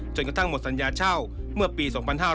จนกระทั่งหมดสัญญาเช่าเมื่อปี๒๕๕๙